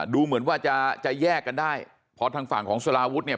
ดูเหมือนว่าจะจะแยกกันได้พอทางฝั่งของสลาวุฒิเนี่ย